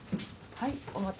はい。